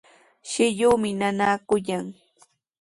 Shilluumi nanaakullan.